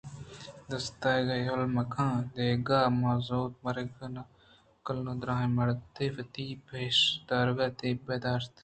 دست ئیگ ءَ یلہ مہ کن ءُ پادئیگ ءَ مہ زُور مَرگ ءِ کلٛ نادرٛائیں مردے وتی پیش دارگ ءَ طبیب ءَشُت